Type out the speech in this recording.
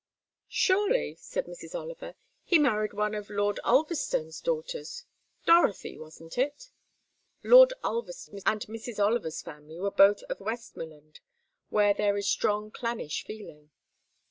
"Surely," said Mrs. Oliver, "he married one of Lord Ulverstone's daughters Dorothy, wasn't it." (Lord Ulverstone and Mrs. Oliver's family were both of Westmorland, where there is strong clannish feeling.)